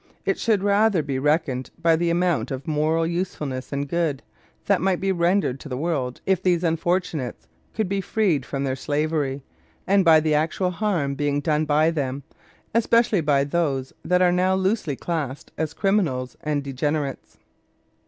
It should rather be reckoned by the great amount of moral usefulness and good that might be rendered to the world if these unfortunates could be freed from their slavery, and by the actual harm being done by them, especially by those that are now loosely classed as criminals and degenerates.